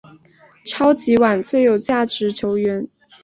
超级碗最有价值球员。